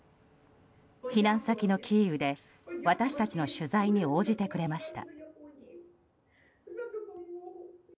避難先のキーウで、私たちの取材に応じてくれました。